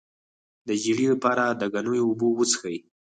د ژیړي لپاره د ګنیو اوبه وڅښئ